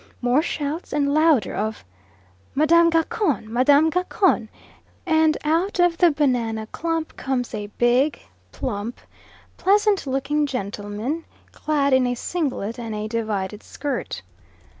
More shouts, and louder, of "Madame Gacon! Madame Gacon!" and out of the banana clump comes a big, plump, pleasant looking gentleman, clad in a singlet and a divided skirt.